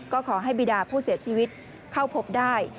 ก็ขอให้บิดาผู้เสียชีวิตเข้าพบได้